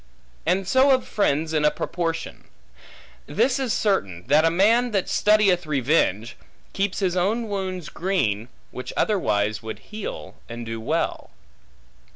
And so of friends in a proportion. This is certain, that a man that studieth revenge, keeps his own wounds green, which otherwise would heal, and do well.